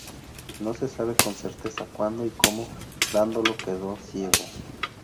No se sabe con certeza cuándo y cómo Dandolo quedó ciego.